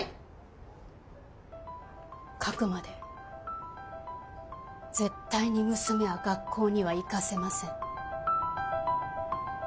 書くまで絶対に娘は学校には行かせません。